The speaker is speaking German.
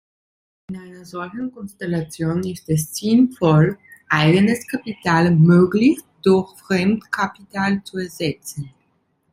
In einer solchen Konstellation ist es sinnvoll, eigenes Kapital möglichst durch Fremdkapital zu ersetzen.